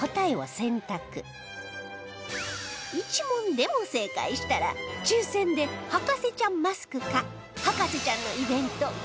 １問でも正解したら抽選で博士ちゃんマスクか『博士ちゃん』のイベント